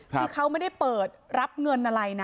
คือเขาไม่ได้เปิดรับเงินอะไรนะ